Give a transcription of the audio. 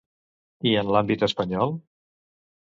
I en l'àmbit espanyol?